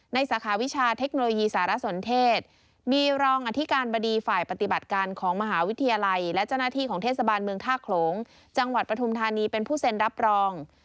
สาขาวิชาเทคโนโลยีสารสนเทศมีรองอธิการบดีฝ่ายปฏิบัติการของมหาวิทยาลัยและเจ้าหน้าที่ของเทศบาลเมืองท่าโขลงจังหวัดปฐุมธานีเป็นผู้เซ็นรับรอง